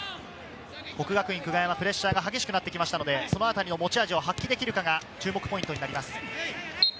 國學院久我山、プレッシャーが激しくなってきましたので、そのあたり持ち味を発揮できるかが注目ポイントになります。